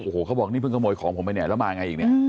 โอ้โหเขาบอกนี่เพิ่งขโมยของผมไปเนี่ยแล้วมาไงอีกเนี่ย